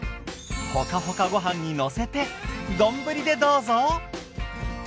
ホカホカご飯にのせて丼でどうぞ。